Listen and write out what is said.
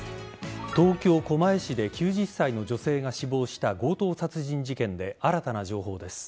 東京・狛江市で９０歳の女性が死亡した強盗殺人事件で新たな情報です。